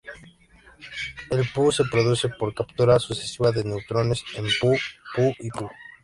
El Pu se produce por captura sucesiva de neutrones en Pu, Pu y Pu.